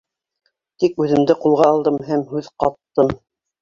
Тик үҙемде кулға алдым һәм һүҙ ҡаттым.